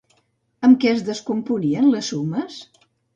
Amb què es descomponien les sumes?